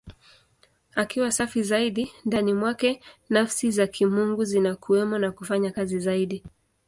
Akiwa safi zaidi, ndani mwake Nafsi za Kimungu zinakuwemo na kufanya kazi zaidi.